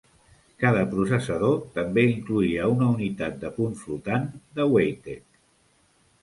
Cada processador també incloïa una unitat de punt flotant de Weitek.